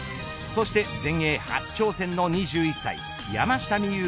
そして、全英初挑戦の２１歳山下美夢